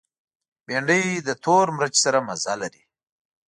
بېنډۍ له تور مرچ سره مزه لري